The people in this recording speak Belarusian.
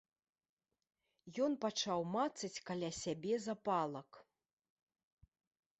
Ён пачаў мацаць каля сябе запалак.